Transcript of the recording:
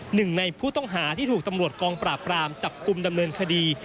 หนึ่งในผู้ต้องหาที่ถูกตำรวจกองปราบรามจับกลุ่มดำเนินคดี